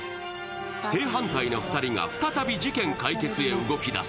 正反対の２人が再び事件解決へ動き出す。